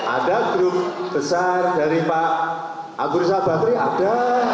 ada grup besar dari pak agur sabagri ada